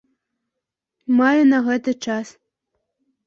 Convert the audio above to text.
Маю на гэта час.